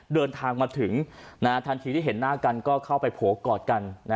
เดินทางมาถึงทันทีที่เห็นหน้ากันก็เข้าไปโผล่กอดกัน